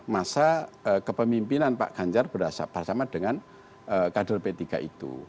masa kepemimpinan pak ganjar bersama dengan kader p tiga itu